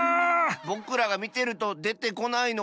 ぼくらがみてるとでてこないのかなあ。